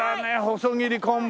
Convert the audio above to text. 細切昆布。